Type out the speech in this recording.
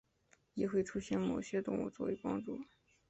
亦会出现某些动物作出帮助。